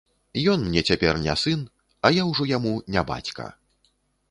Ён мне цяпер не сын, а я ўжо яму не бацька.